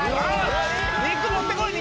肉持ってこい！